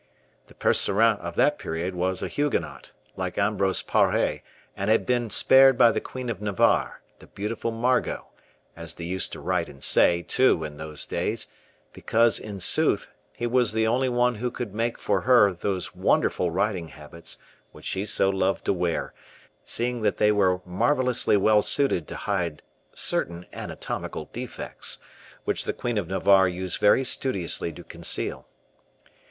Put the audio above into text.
The Percerin of that period was a Huguenot, like Ambrose Pare, and had been spared by the Queen of Navarre, the beautiful Margot, as they used to write and say, too, in those days; because, in sooth, he was the only one who could make for her those wonderful riding habits which she so loved to wear, seeing that they were marvelously well suited to hide certain anatomical defects, which the Queen of Navarre used very studiously to conceal.